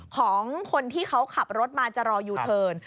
ของคนที่เขาขับรถมาจะรอยูเทิร์น